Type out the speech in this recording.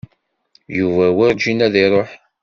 Yuba werǧin ad iṛuḥ.